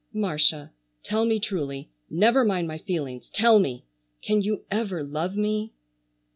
Marcia, tell me truly, never mind my feelings, tell me! Can you ever love me?"